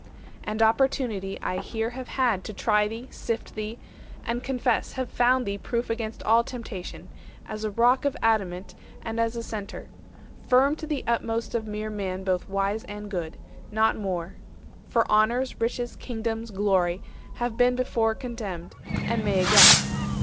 530 And opportunity I here have had To try thee, sift thee, and confess have found thee Proof against all temptation, as a rock Of adamant and as a centre, firm To the utmost of mere man both wise and good, Not more; for honours, riches, kingdoms, glory, Have been before contemned, and may again.